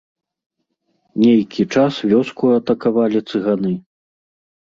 Нейкі час вёску атакавалі цыганы.